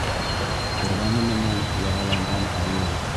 Торғаны менән яраланған айыу.